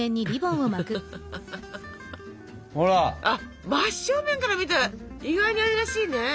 あっ真正面から見たら意外に愛らしいね。